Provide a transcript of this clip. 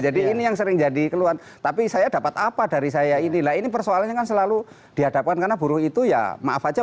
jadi ini yang sering jadi keluhan tapi saya dapat apa dari saya ini nah ini persoalannya kan selalu dihadapkan karena buruh itu ya maaf aja